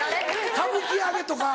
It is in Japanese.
歌舞伎揚げとか。